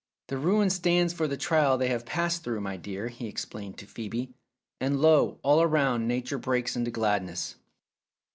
"The ruin stands for the trial they have passed through, my dear," he explained to Phcebe, "and lo, all round Nature breaks into gladness